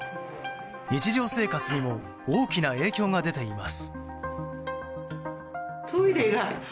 日常生活にも大きな影響が出ています。